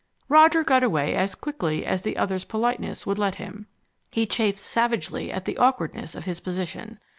Roger got away as quickly as the other's politeness would let him. He chafed savagely at the awkwardness of his position.